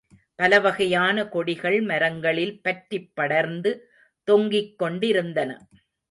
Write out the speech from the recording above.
பலவகையான கொடிகள் மரங்களில் பற்றிப் படர்ந்து தொங்கிக்கொண்டிருந்தன.